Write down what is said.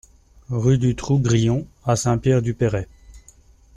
Rue du Trou Grillon à Saint-Pierre-du-Perray